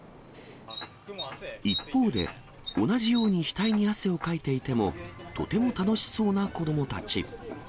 一方で、同じように額に汗をかいていても、とても楽しそうな子どもたち。